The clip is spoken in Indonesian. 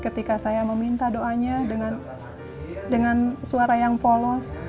ketika saya meminta doanya dengan suara yang polos